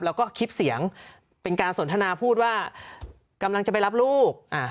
แล้วก็คลิปเสียงเป็นการสนทนาพูดว่ากำลังจะไปรับลูก